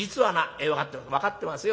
「分かってますよ